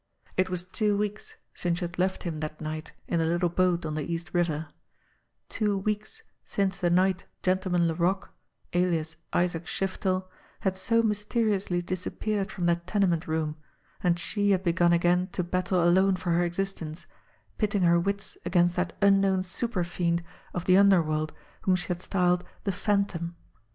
It was two weeks since she had left him that night in the little boat on the East River, two weeks since the night Gentleman Laroque, alias Isaac Shiftel, had so mysteriously disappeared from that tenement room, and she had begun again to battle alone for her existence, pitting her wits against that unknown super fiend of the underworld whom she had styled the Phantom.